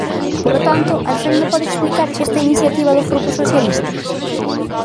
Polo tanto, ¿alguén me pode explicar esta iniciativa do Grupo Socialista?